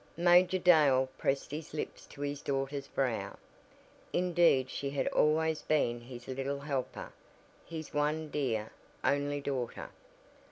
Major Dale pressed his lips to his daughter's brow. Indeed she had always been his little helper, his one dear, only daughter.